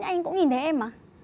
anh ấy cũng nhìn thấy em mà